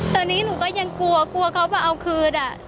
ตอนนี้หนูก็ยังกลัวกลัวเขามาเอาคืน